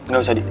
gak usah di